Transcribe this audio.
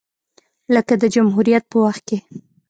لکه د جمهوریت په وخت کې